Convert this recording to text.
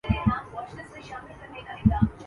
بس انہیں دبائے رکھو، ڈھانپے رکھو۔